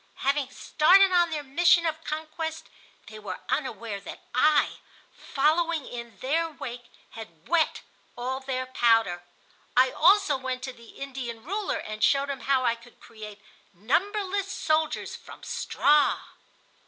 Having started on their mission of conquest, they were unaware that I, following in their wake, had wet all their powder. I also went to the Indian ruler and showed him how I could create numberless soldiers from straw.